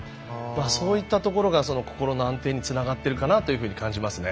そういったところが心の安定につながっているのかなと感じますね。